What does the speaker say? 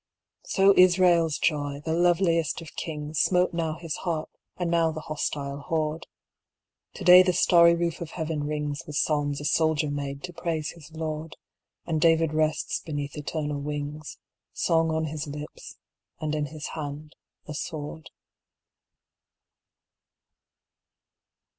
So Israel's joy, the loveliest of kings, Smote now his harp, and now the hostile horde. To day the starry roof of Heaven rings With psalms a soldier made to praise his Lord; And David rests beneath Eternal wings, Song on his lips, and in his hand a sword.